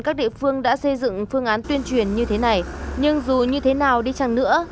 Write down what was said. chuyển như thế này nhưng dù như thế nào đi chăng nữa